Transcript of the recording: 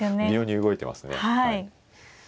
微妙に動いてますね。